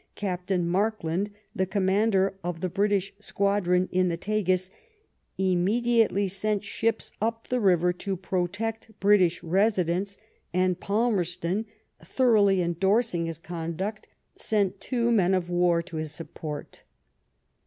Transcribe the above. Captain Markland, the commander of the British squadron in the Tagus, immediately sent ships up the river to protect British residents, and Palmerston, thoroughly endorsing his conduct, sent two men of war to his support.